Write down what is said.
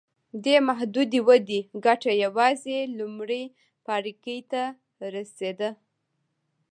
دې محدودې ودې ګټه یوازې لومړي پاړکي ته رسېده.